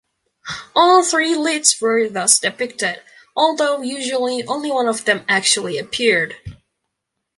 All three leads were thus depicted, although usually only one of them actually appeared.